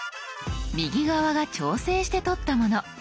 右側が調整して撮ったもの。